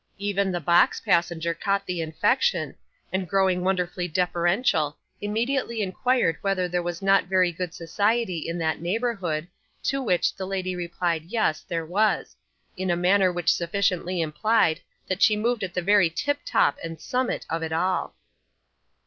Even the box passenger caught the infection, and growing wonderfully deferential, immediately inquired whether there was not very good society in that neighbourhood, to which the lady replied yes, there was: in a manner which sufficiently implied that she moved at the very tiptop and summit of it all.